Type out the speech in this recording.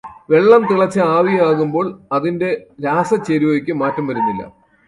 വെള്ളം തിളച്ച് ആവിയാകുമ്പോൾ, അതിന്റെ രാസചേരുവക്ക് മാറ്റം വരുന്നില്ല.